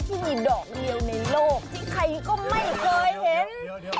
ที่มีดอกเดียวในโลกที่ใครก็ไม่เคยเห็น